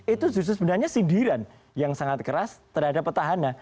itu justru sebenarnya sindiran yang sangat keras terhadap petahana